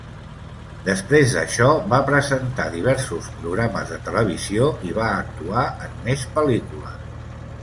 Després d'això, va presentar diversos programes de televisió i va actuar en més pel·lícules.